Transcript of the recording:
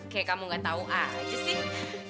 kayak kamu gak tau ah aja sih